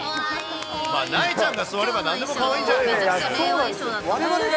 なえちゃんが座れば、なんでもかわいいんじゃないかと思いますが。